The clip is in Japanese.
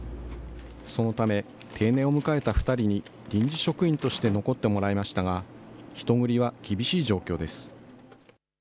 そのため、定年を迎えた２人に臨時職員として残ってもらいましたが、人繰りは厳しい状況です。